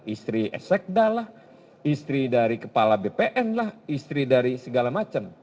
istri sekda lah istri dari kepala bpn lah istri dari segala macam